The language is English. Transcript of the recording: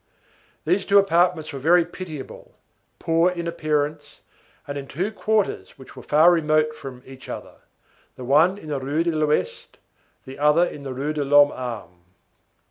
These two apartments were very pitiable, poor in appearance, and in two quarters which were far remote from each other, the one in the Rue de l'Ouest, the other in the Rue de l'Homme Armé.